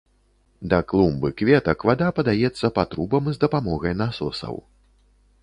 Да клумб і кветак вада падаецца па трубам з дапамогай насосаў.